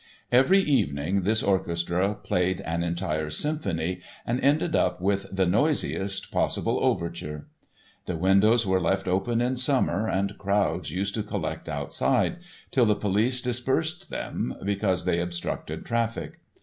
Every evening this orchestra played an entire symphony and ended up with "the noisiest possible overture." The windows were left open in summer and crowds used to collect outside, till the police dispersed them because they obstructed traffic.